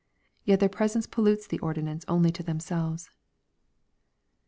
Yet their presence pollutes the ordinance only to themselves."